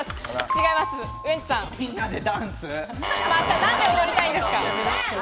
なんで踊りたいんですか？